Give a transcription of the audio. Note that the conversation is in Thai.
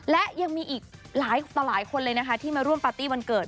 และยังมีอีกหลายต่อหลายคนเลยนะคะที่มาร่วมปาร์ตี้วันเกิด